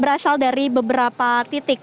berasal dari beberapa titik